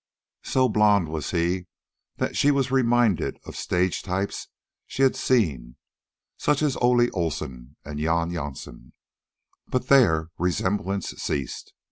So blond was he that she was reminded of stage types she had seen, such as Ole Olson and Yon Yonson; but there resemblance ceased.